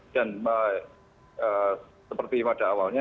dan seperti pada awalnya